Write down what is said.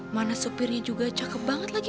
mana supirnya juga cakep banget lagi